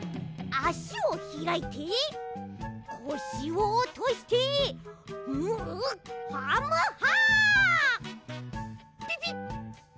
あしをひらいてこしをおとしてムハムハ！